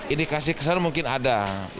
ini kasih kesan mungkin ada